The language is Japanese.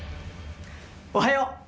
おはよう！